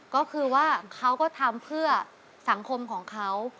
ก็คือว่าเขาก็ทำเพื่อสังคมของเขา